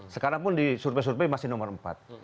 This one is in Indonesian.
sekarang pun di survei survei masih nomor empat